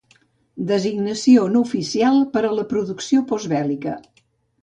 Designació no oficial per a la producció postbèl·lica.